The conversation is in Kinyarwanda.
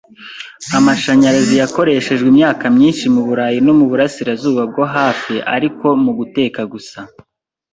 Amashanyarazi yakoreshejwe imyaka myinshi muburayi no muburasirazuba bwo hafi, ariko muguteka gusa.